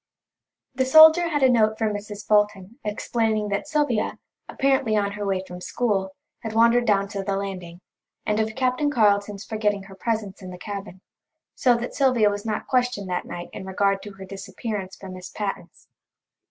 The soldier had a note for Mrs. Fulton explaining that Sylvia, apparently on her way from school, had wandered down to the landing, and of Captain Carleton's forgetting her presence in the cabin, so that Sylvia was not questioned that night in regard to her disappearance from Miss Patten's.